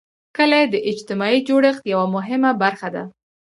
کلي د اجتماعي جوړښت یوه مهمه برخه ده.